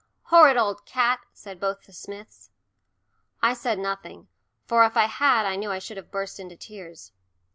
"Horrid old cat," said both the Smiths. I said nothing, for if I had I knew I should have burst into tears.